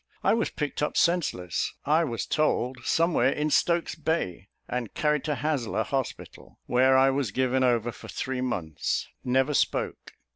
I was picked up senseless. I was told somewhere in Stokes bay, and carried to Haslar hospital, where I was given over for three months never spoke.